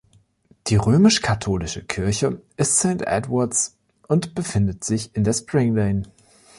Die römisch-katholische Kirche ist Saint Edward's und befindet sich in der Spring Lane.